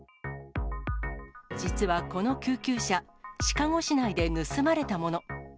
実はこの救急車、シカゴ市内で盗まれたもの。